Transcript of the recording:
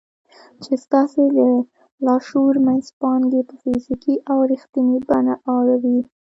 چې ستاسې د لاشعور منځپانګې په فزيکي او رښتينې بڼه اړوي.